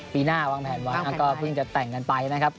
ปีหน้าวางแผนไว้ก็เพิ่งจะแต่งกันไปนะครับ